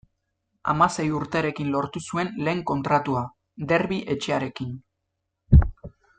Hamasei urterekin lortu zuen lehen kontratua, Derbi etxearekin.